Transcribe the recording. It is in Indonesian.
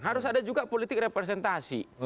harus ada juga politik representasi